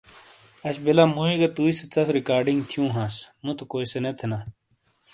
اَش بِیلا مُوئی گہ تُوئی سے ژا ریکارڈنگ تھیوں ہانس، مُتو کوئی نے تھینا